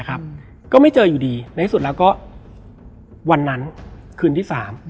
ก็ไม่เจออยู่ดีในที่สุดแล้วก็วันนั้นคืนที่๓